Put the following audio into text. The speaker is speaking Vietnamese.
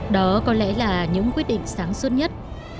đó có lẽ là những quyết định sáng suốt nhất